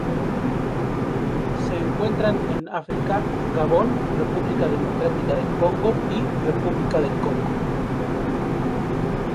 Se encuentran en África: Gabón, República Democrática del Congo y República del Congo.